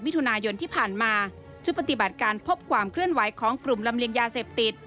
มิถุนายนที่ผ่านมาชุดปฏิบัติการพบความเคลื่อนไหวของกลุ่มลำเลียงยาเสพติด